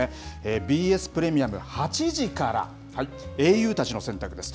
ＢＳプレミアム８時から、英雄たちの選択です。